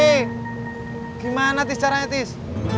eh gimana tis caranya tis